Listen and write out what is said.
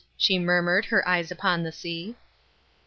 she murmured, her eyes upon the sea.